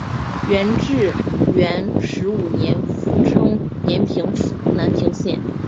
元至元十五年复称延平府南平县。